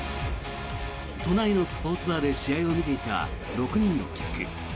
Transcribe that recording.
都内のスポーツバーで試合を見ていた６人の客。